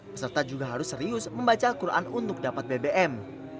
peserta juga harus serius membaca al quran untuk dapat bbm